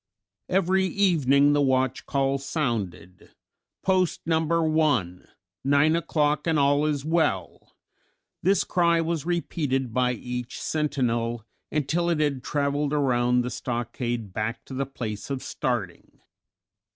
Every evening the watch call sounded, "Post number one, nine o'clock and all is well." This cry was repeated by each sentinel until it had traveled around the stockade back to the place of starting.